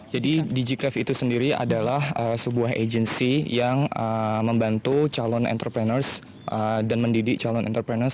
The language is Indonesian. jadi digicraft itu sendiri adalah sebuah agensi yang membantu calon entrepreneurs dan mendidik calon entrepreneur